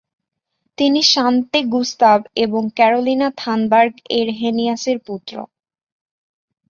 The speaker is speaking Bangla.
তিনি স্বান্তে গুস্তাভ এবং ক্যারোলিনা থানবার্গ এরহেনিয়াসের পুত্র।